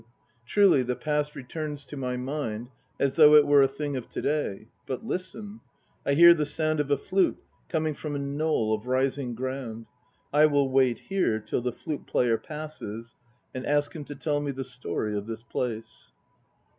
Truly the past returns to my mind as though it were a thing of to day. But listen! I hear the sound of a flute coming from a knoll of rising ground. I will wait here till the flute player passes, and ask him to tell me the story of this place.